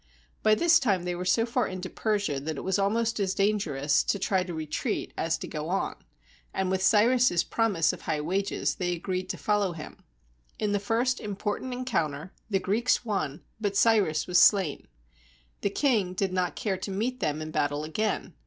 By this time they were so far into Persia that it was almost as dangerous to try to retreat as to go on; and with Cyrus's promise of high wages, they agreed to follow him. In the first important encounter, the Greeks won, but Cyrus was slain. The king did not care to meet them in battle again.